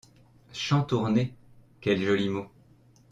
Chantournées, quel joli mot !